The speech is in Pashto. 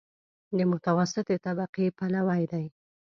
د متوسطې طبقې پلوی دی.